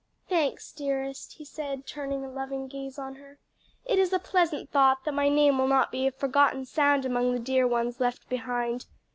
"Thanks, dearest," he said, turning a loving gaze on her, "it is a pleasant thought that my name will not be a forgotten sound among the dear ones left behind.